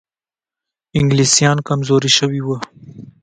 انګلیسان کمزوري شوي وو.